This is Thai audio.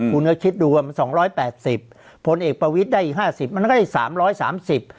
คุณก็คิดดูว่ามัน๒๘๐ผลเอกประวิทย์ได้อีก๕๐มันก็ได้๓๓๐